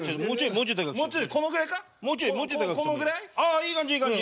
いい感じいい感じ。